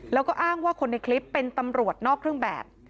แล้วก็อ้างว่าคนในคลิปเป็นตำรวจนอกเครื่องแบบ